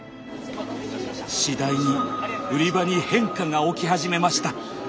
次第に売り場に変化が起き始めました。